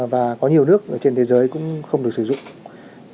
và có nhiều nước trên thế giới cũng không được sử dụng